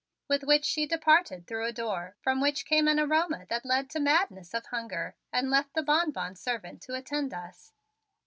With which she departed through a door, from which came an aroma that led to madness of hunger, and left the bonbon servant to attend us.